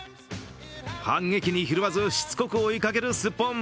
反撃にひるまずしつこく追いかけるスッポン。